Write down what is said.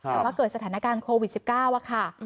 แต่ว่าเกิดสถานการณ์โควิด๑๙ค่ะ